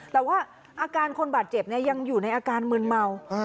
แต่ว่าอาการคนบาดเจ็บยังอยู่ในอาการมืนเมา